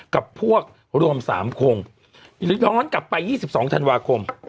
กับพวกรวมสามคงหรือย้อนกลับไปยี่สิบสองธันวาคม